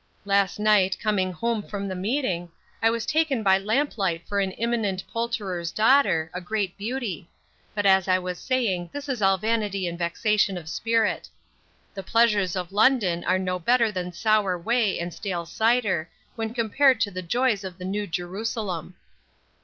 Last night, coming huom from the meeting, I was taken by lamp light for an iminent poulterer's daughter, a great beauty But as I was saying, this is all vanity and vexation of spirit The pleasures of London are no better than sower whey and stale cyder, when compared to the joys of the new Gerusalem.